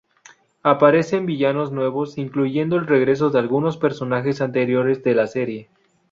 Aparecen villanos nuevos, incluyendo el regreso de algunos personajes anteriores de la serie.